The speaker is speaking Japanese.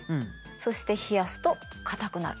そして冷やすと硬くなる。